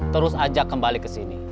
terus ajak kembali ke sini